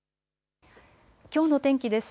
きょうの天気です。